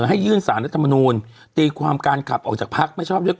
ให้ยื่นสารรัฐมนูลตีความการขับออกจากพักไม่ชอบด้วย